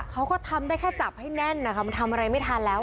เขาก็ทำได้แค่จับให้แน่นนะคะมันทำอะไรไม่ทันแล้ว